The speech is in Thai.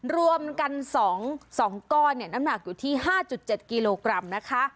รวมกันสองสองก้อนเนี้ยน้ำหนักอยู่ที่ห้าจุดเจ็ดกิโลกรัมนะคะ